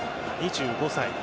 ２５歳。